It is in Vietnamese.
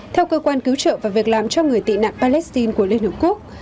theo cơ quan cứu trợ và việc làm cho người tị nạn palestine của liên hợp quốc